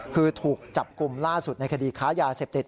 คือถูกจับกลุ่มล่าสุดในคดีค้ายาเสพติด